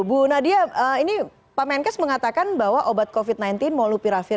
bu nadia ini pak menkes mengatakan bahwa obat covid sembilan belas molnupiravir